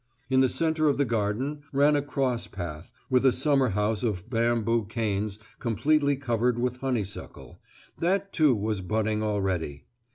In the centre of the garden ran a cross path with a summer house of bamboo canes completely covered with honeysuckle; that, too, was budding already.